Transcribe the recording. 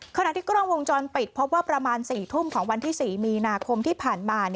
ขณะที่กล้องวงจรปิดพบว่าประมาณ๔ทุ่มของวันที่๔มีนาคมที่ผ่านมา